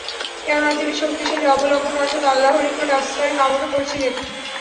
কেননা, তিনি শক্তিশালী অবলম্বন অর্থাৎ আল্লাহর নিকট আশ্রয় কামনা করেছিলেন।